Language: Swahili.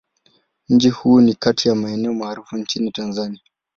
Mji huu ni kati ya maeneo maarufu nchini Tanzania.